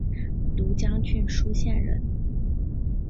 庐江郡舒县人。